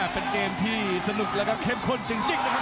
เป็นเกมที่สนุกและเช็บข้นจริงเนี่ยครับ